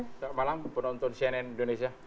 selamat malam penonton cnn indonesia